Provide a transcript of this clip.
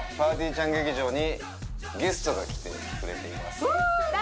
ちゃん劇場にゲストが来てくれています誰？